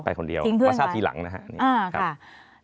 คนเดียวมาทราบทีหลังนะครับ